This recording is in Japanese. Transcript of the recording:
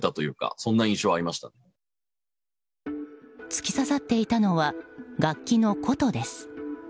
突き刺さっていたのは楽器の琴です。